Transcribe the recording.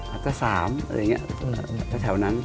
แล้วก็๓อะไรอย่างนี้แถวนั้น